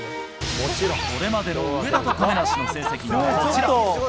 これまでの上田と亀梨の成績がこちら。